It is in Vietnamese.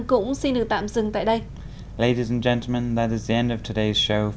cũng xin được tạm dừng tại đây